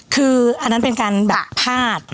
คือนั่นเป็นการแบบกภาค